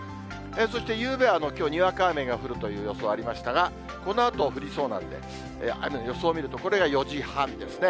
そしてゆうべはきょう、にわか雨が降るという予想ありましたが、このあと降りそうなんで、雨の予想を見ると、これが４時半ですね。